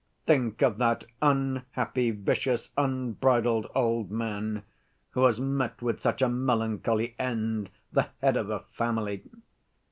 Think of that unhappy, vicious, unbridled old man, who has met with such a melancholy end, the head of a family!